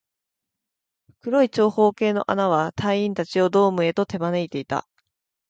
黒い長方形の穴は、隊員達をドームへと手招いていた